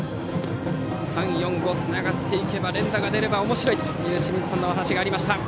３、４、５、つながっていけば連打が出ればおもしろいという清水さんのお話がありました。